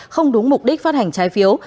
không đúng mục đích phát hành trái phiếu